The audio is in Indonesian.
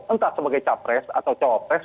entah sebagai capres atau cawapres